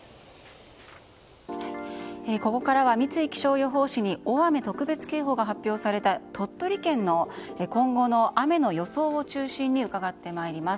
ここからは三井気象予報士に大雨特別警報が発表された鳥取県の今後の雨の予想を中心に伺ってまいります。